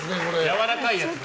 やわらかいやつね。